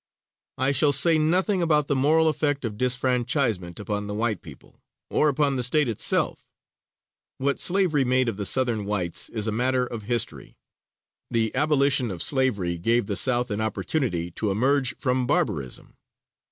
I shall say nothing about the moral effect of disfranchisement upon the white people, or upon the State itself. What slavery made of the Southern whites is a matter of history. The abolition of slavery gave the South an opportunity to emerge from barbarism.